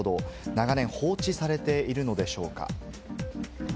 長年、放置されているのでしょうか。